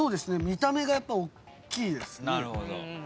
見た目がやっぱおっきいですね。